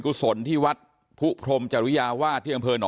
ครั้งที่๒มันตายเลย